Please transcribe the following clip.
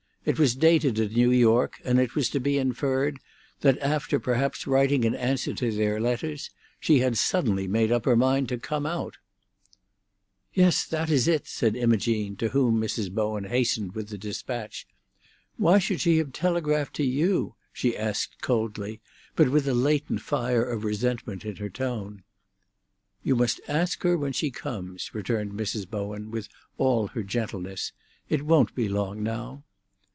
It was dated at New York, and it was to be inferred that after perhaps writing in answer to their letters, she had suddenly made up her mind to come out. "Yes, that is it," said Imogene, to whom Mrs. Bowen hastened with the despatch. "Why should she have telegraphed to you?" she asked coldly, but with a latent fire of resentment in her tone. "You must ask her when she comes," returned Mrs. Bowen, with all her gentleness. "It won't be long now."